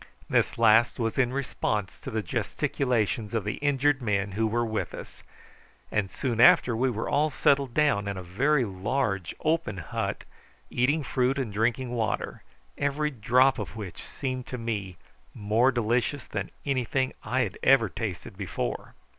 This last was in response to the gesticulations of the injured men who were with us, and soon after, we were all settled down in a very large open hut, eating fruit and drinking water, every drop of which seemed to me more delicious than anything I had ever tasted before.